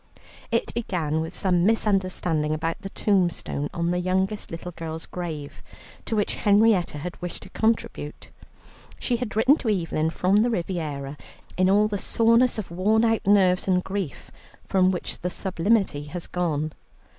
It began with some misunderstanding about the tombstone on the youngest little girl's grave, to which Henrietta had wished to contribute. She had written to Evelyn from the Riviera in all the soreness of worn out nerves and grief from which the sublimity has gone.